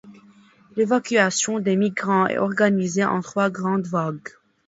L'évacuation des migrants est organisée en trois grandes vagues.